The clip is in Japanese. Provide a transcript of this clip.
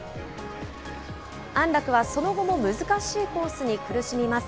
安楽はその後も難しいコースに苦しみます。